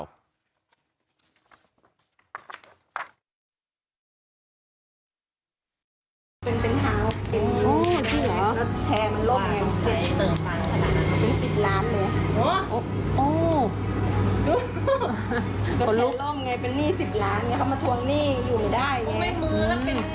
นรมแชร์ล่มไงเป็นหนี้๑๐ล้านแล้วก็เข้ามาทวงหนี้อยู่ไม่ได้แน่